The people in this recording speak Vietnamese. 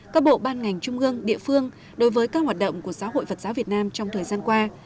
các bộ ban ngành trung gương địa phương đối với các hoạt động của giáo hội phật giáo việt nam trong thời gian qua